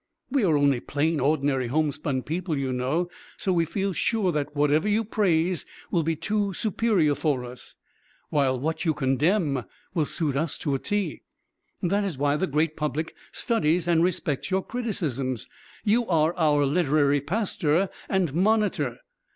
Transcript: We are only plain, ordinary, homespun people, you know; so we feel sure that whatever you praise will be too superior for us, while what you condemn will suit us to a t. That is why the great public studies and respects your criticisms. You are our literary pastor and monitor.